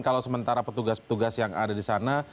kalau sementara petugas petugas yang ada di sana